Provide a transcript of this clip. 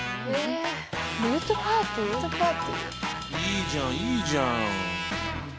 いいじゃんいいじゃん。